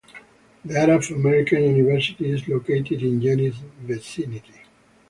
The Arab American University is located in Jenin's vicinity.